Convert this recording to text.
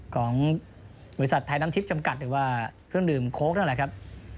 ของบริษัทไทยน้ำทิพย์จำกัดหรือว่าเครื่องดื่มโค้กนั่นแหละครับ